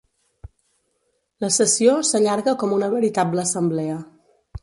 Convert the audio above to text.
La sessió s'allarga com una veritable assemblea.